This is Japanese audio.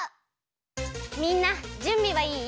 みんなじゅんびはいい？